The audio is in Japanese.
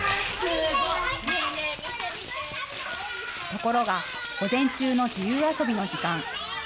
ところが、午前中の自由遊びの時間。